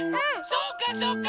そうかそうか！